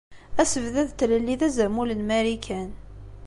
Asebdad n Tlelli d azamul n Marikan.